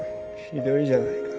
ひどいじゃないか。